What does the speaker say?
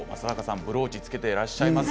今日ブローチをつけていらっしゃいます